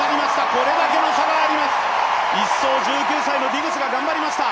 これだけの差があります、１走、１９歳のディグスが頑張りました。